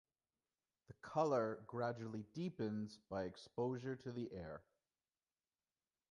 The colour gradually deepens by exposure to the air.